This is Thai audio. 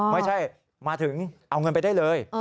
ไม่ใช่มาถึงเอาเงินไปได้เลย